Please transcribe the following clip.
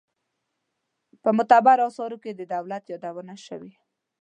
په معتبرو آثارو کې د دولت یادونه شوې.